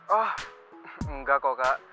oh enggak kok kak